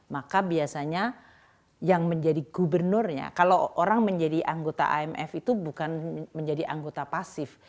maka biasanya yang menjadi gubernurnya kalau orang menjadi anggota imf itu bukan menjadi anggota pasif